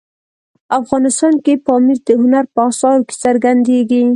افغانستان کې پامیر د هنر په اثارو کې څرګندېږي.